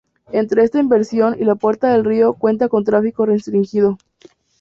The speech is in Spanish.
Entre esta intervención y la Puerta del Río cuenta con tráfico restringido.